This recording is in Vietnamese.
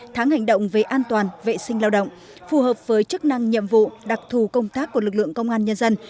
tháng hành động về an toàn vệ sinh lao động phù hợp với chức năng nhiệm vụ đặc thù công tác của lực lượng công an nhân dân